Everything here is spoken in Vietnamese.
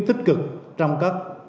thích cực trong các